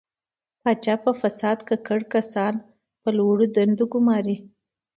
پاچا په فساد ککړ کسان په لوړو دندو ګماري.